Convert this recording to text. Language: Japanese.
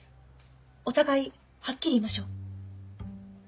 お互いはっきり言いましょう。